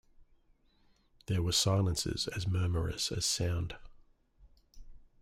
There were silences as murmurous as sound.